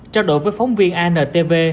trao đổi với phóng viên antv